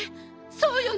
そうよね。